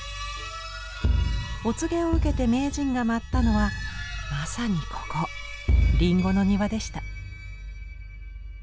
お告げを受けて名人が舞ったのはまさにここ林檎の庭でした。